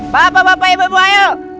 bapak bapak ibu ayo